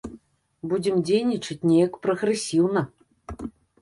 Будзем дзейнічаць неяк прагрэсіўна.